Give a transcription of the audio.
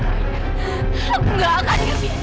aku tidak akan membiarkan